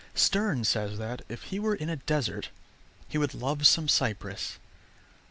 Sterne says that, if he were in a desert, he would love some cypress.